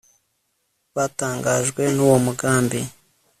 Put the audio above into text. batangajwe nuwo mugambi